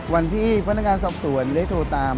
วันที่พนักงานสอบสวนได้โทรตาม